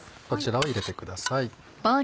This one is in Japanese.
こちらを入れてください。